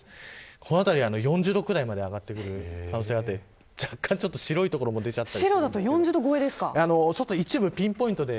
この辺りは４０度くらいまで上がる可能性があって若干白い所も出ちゃったり。